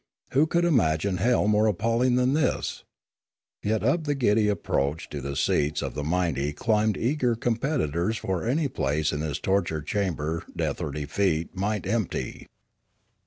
Who could imagine hell more appalling than this? Yet up the giddy approach to the seats of the mighty climbed eager competitors for any place in this torture chamber death or defeat might empty.